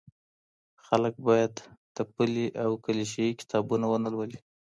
خلګ بايد تپلي او کليشه يي کتابونه ونه لولي.